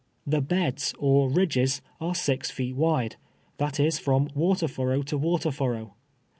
The beds, or rid<i:es, are six feet Avide, that is, from water furrow to Nvater furrow.